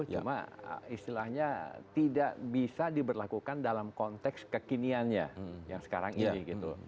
cuma istilahnya tidak bisa diberlakukan dalam konteks kekiniannya yang sekarang ini gitu